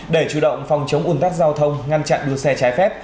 để chủ động phòng chống ủn tắc giao thông ngăn chặn đua xe trái phép